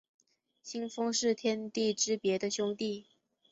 清风是天地之别的兄弟。